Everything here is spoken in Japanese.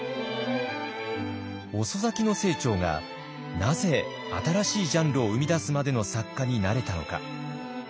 遅咲きの清張がなぜ新しいジャンルを生み出すまでの作家になれたのか。